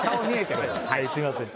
はいすいません。